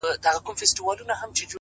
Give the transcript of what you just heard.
ښه نوم تر شتمنۍ ارزښتمن دی